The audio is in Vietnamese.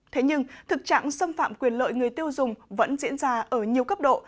thế nhưng thực trạng xâm phạm quyền lợi người tiêu dùng vẫn diễn ra ở nhiều cấp độ